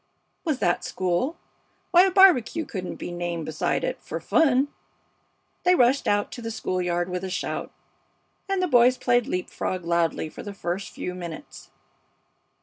Was that school? Why, a barbecue couldn't be named beside it for fun! They rushed out to the school yard with a shout, and the boys played leap frog loudly for the first few minutes.